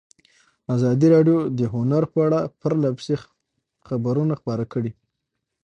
ازادي راډیو د هنر په اړه پرله پسې خبرونه خپاره کړي.